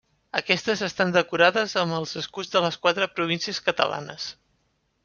Aquestes estan decorades amb els escuts de les quatre províncies catalanes.